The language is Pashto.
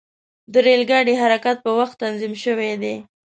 د ریل ګاډي حرکت په وخت تنظیم شوی دی.